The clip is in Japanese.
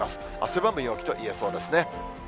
汗ばむ陽気といえそうですね。